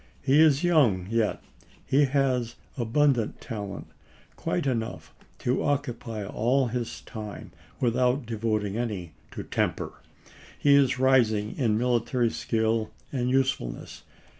He is young yet. He has abundant talent — quite enough to occupy all his time without devoting any to temper. He is rising in military skill and usefulness.